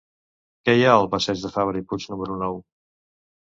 Què hi ha al passeig de Fabra i Puig número nou?